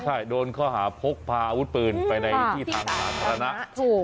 ใช่โดนข้อหาพกพาอาวุธปืนไปในที่ทางสาธารณะ